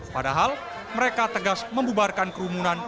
padahal mereka tegas membubarkan kerumunan